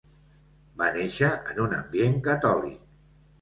Va néixer en un ambient catòlic.